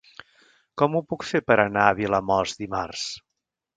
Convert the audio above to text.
Com ho puc fer per anar a Vilamòs dimarts?